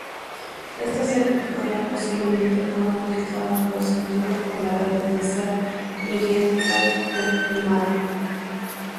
Estas sepulturas posiblemente fueran utilizadas por los antiguos pobladores de San Miguel o Torquemada.